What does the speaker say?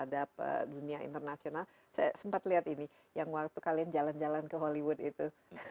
terhadap dunia internasional saya sempat lihat ini yang waktu kalian jalan jalan ke hollywood itu